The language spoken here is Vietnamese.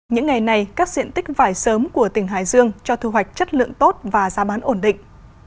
những ngày này các diện tích vải sớm của tỉnh hải dương cho thu hoạch chất lượng tốt và giá bán ổn định